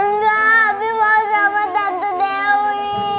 enggak abi mau sama tante dewi